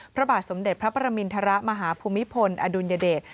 พระบาทสมเด็จพระประมินทรมาฮภูมิพลอดุลยเดช